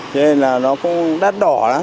cho nên là nó cũng đắt đỏ